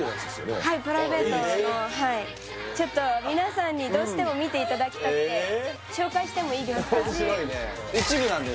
はいプライベートのはいちょっと皆さんにどうしても見ていただきたくてええ面白いね一部なんだよ